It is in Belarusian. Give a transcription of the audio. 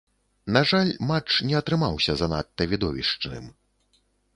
На жаль, матч не атрымаўся занадта відовішчным.